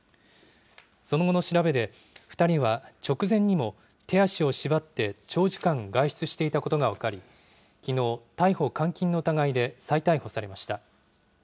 その後の調べで、２人は直前にも、手足を縛って長時間外出していたことが分かり、きのう、逮捕監禁の疑いで再逮捕されました。